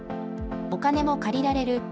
お金も借りられる。